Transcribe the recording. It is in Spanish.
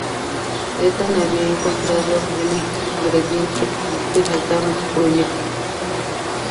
Ethan había encontrado el ingrediente que faltaba en su proyecto.